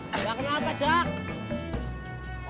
gak kenal apa chad